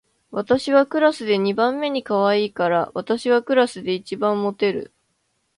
私はクラスで二番目にかわいいから、私はクラスで一番モテる